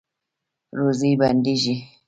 روزي بندیږي؟